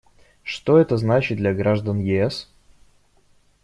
Что это значит для граждан ЕС?